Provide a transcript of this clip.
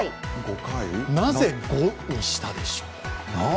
なぜ５にしたでしょう？